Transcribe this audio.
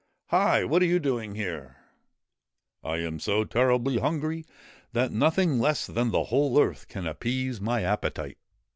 ' Hi I What are you doing there ?'' I am so terribly hungry that nothing less than the whole earth can appease my appetite.'